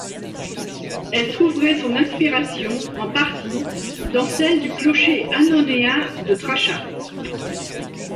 Elle trouverait son inspiration en partie dans celle du clocher annonéen de Trachin.